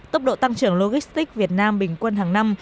tốc độ tăng trưởng logistics việt nam bình quân hàng năm